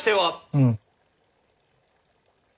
うん。